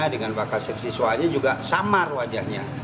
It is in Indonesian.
dengan bakal siswanya juga samar wajahnya